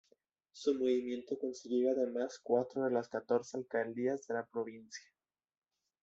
Su movimiento consiguió además cuatro de las catorce alcaldías de la provincia.